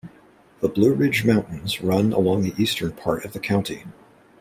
The Blue Ridge Mountains run along the eastern part of the county.